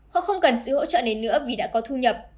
họ không cần sự hỗ trợ này nữa vì đã có thu nhập